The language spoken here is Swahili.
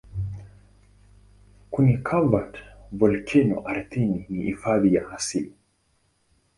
Kuni-covered volkeno ardhini ni hifadhi ya asili.